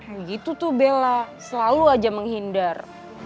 kayak gitu tuh bella selalu aja menghindar